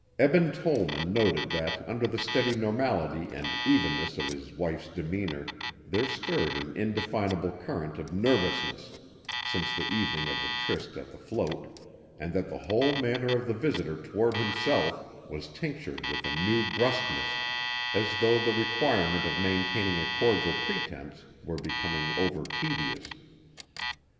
Eben Tollman noted that under the steady normality and evenness of his wife's demeanor there stirred an indefinable current of nervousness, since the evening of the tryst at the float and that the whole manner of the visitor toward himself was tinctured with a new brusqueness, as though the requirement of maintaining a cordial pretense were becoming over tedious.